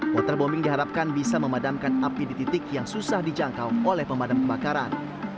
waterbombing diharapkan bisa memadamkan api di titik yang susah dijangkau oleh pemadam kebakaran